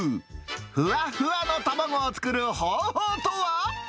ふわふわの卵を作る方法とは？